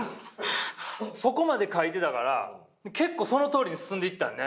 そこまで書いてたから結構そのとおりに進んでいったね。